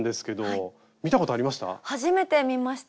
初めて見ました。